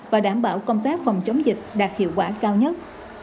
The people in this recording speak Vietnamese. và đảm bảo công tác phòng chống dịch đạt hiệu quả cao nhất